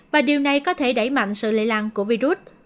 và điều này có thể đẩy mạnh sự lây lan của virus